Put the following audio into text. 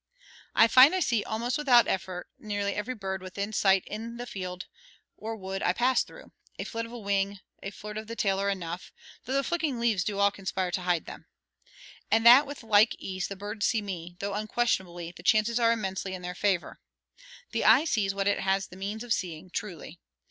I find I see almost without effort nearly every bird within sight in the field or wood I pass through (a flit of the wing, a flirt of the tail are enough, though the flickering leaves do all conspire to hide them), and that with like ease the birds see me, though, unquestionably, the chances are immensely in their favor. The eye sees what it has the means of seeing, truly.